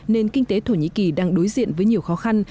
nền kinh tế thổ nhĩ kỳ đang đối diện với nhiều khó khăn